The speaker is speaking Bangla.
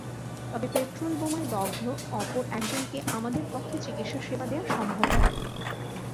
তবে পেট্রলবোমায় দগ্ধ অপর একজনকে আমাদের পক্ষে চিকিৎসা সেবা দেওয়া সম্ভব হয়।